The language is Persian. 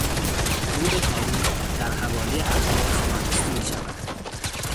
رود کارون در حوالی اهواز آهسته میشود.